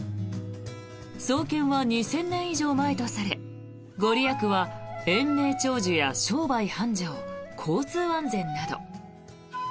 創建は２０００年以上前とされ御利益は延命長寿や商売繁盛交通安全など。